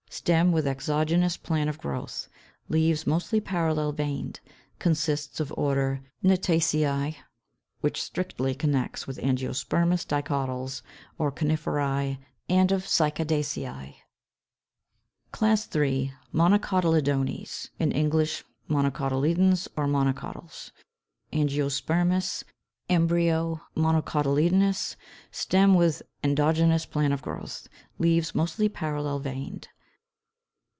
Stem with exogenous plan of growth. Leaves mostly parallel veined. Consists of order Gnetaceæ, which strictly connects with Angiospermous Dicotyls, of Coniferæ, and of Cycadaceæ. CLASS III. MONOCOTYLEDONES, in English MONOCOTYLEDONS or MONOCOTYLS. Angiospermous. Embryo monocotyledonous. Stem with endogenous plan of growth. Leaves mostly parallel veined.